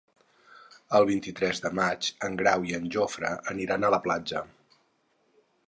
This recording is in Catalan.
El vint-i-tres de maig en Grau i en Jofre aniran a la platja.